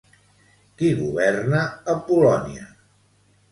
Qui governa a Polònia?